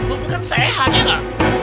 bubur kan sehat ya